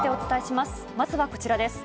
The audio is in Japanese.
まずはこちらです。